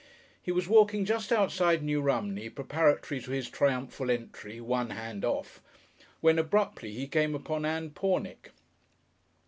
He was walking just outside New Romney preparatory to his triumphal entry (one hand off) when abruptly he came upon Ann Pornick.